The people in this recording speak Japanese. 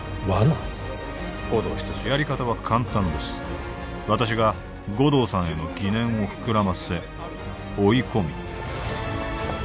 やり方は簡単です私が護道さんへの疑念を膨らませ追い込み